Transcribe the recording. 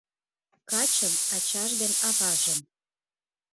Качын ачаж ден аважым